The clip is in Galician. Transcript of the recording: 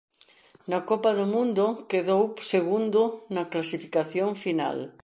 Na Copa do Mundo quedou segundo na clasificación final.